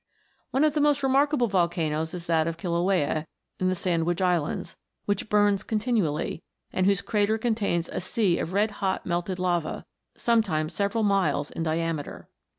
One of the most remarkable volcanoes is that of Kilauea, in the Sandwich Islands, which burns con tinually, and whose crater contains a sea of red hot melted lava, sometimes several miles in diameter.